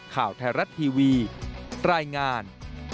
ข่าวไทยรัฐทีวีรายงาน